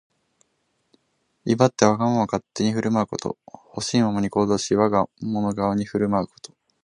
威張ってわがまま勝手に振る舞うこと。ほしいままに行動し、我が物顔に振る舞うこと。